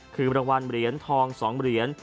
คือรางวัลเหรียญทอง๒เหรียญ